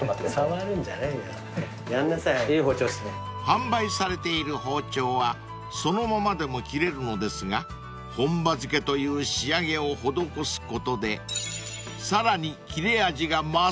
［販売されている包丁はそのままでも切れるのですが本刃付けという仕上げを施すことでさらに切れ味が増すんだそうです］